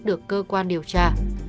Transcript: được cơ quan điều tra